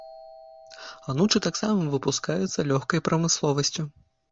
Анучы таксама выпускаюцца лёгкай прамысловасцю.